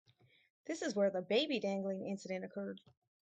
This is where the "baby dangling" incident occurred.